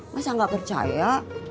masa gak percaya